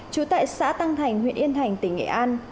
trú tại xã tăng thành huyện yên thành tỉnh nghệ an